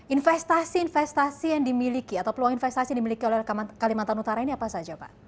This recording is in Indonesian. investasi investasi yang dimiliki atau peluang investasi yang dimiliki oleh kalimantan utara ini apa saja pak